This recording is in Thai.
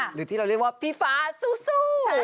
หรือที่เราเรียกว่าพี่ฟ้าสู้